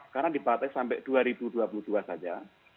karena dipatah sampai dua ribu dua puluh dua saja